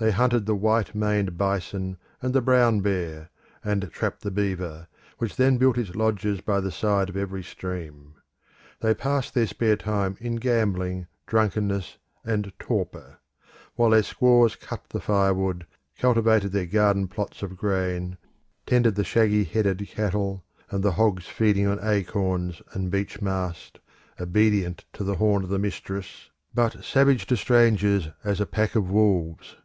They hunted the white maned bison and the brown bear, and trapped the beaver, which then built its lodges by the side of every stream. They passed their spare time in gambling, drunkenness, and torpor; while their squaws cut the firewood, cultivated their garden plots of grain, tended the shaggy headed cattle, and the hogs feeding on acorns and beech mast, obedient to the horn of the mistress, but savage to strangers as a pack of wolves.